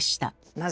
なぜ！